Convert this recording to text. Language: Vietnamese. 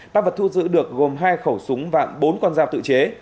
tăng vật thu giữ được gồm hai khẩu súng và bốn con dao tự chế